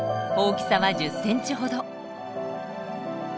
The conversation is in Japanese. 大きさは１０センチほど。